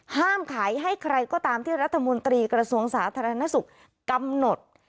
ห้ามขายให้ใครก็ตามที่รัฐมนตรีกระทรวงสาธารณสุขกำหนด